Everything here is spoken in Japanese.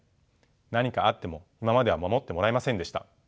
何かあっても今までは守ってもらえませんでした。